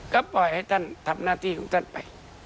ก็ปล่อยให้ท่านทำหน้าที่ของท่านไป